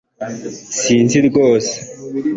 sinzi rwose